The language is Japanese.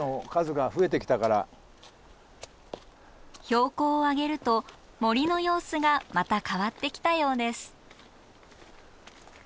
標高を上げると森の様子がまた変わってきたようです。